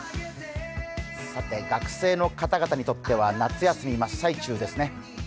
学生の方々にとっては夏休み真っ最中ですね。